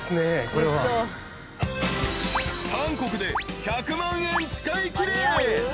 ［韓国で１００万円使いきれ］